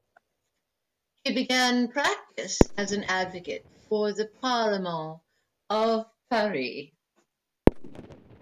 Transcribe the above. He began practice as an advocate before the "parlement" of Paris.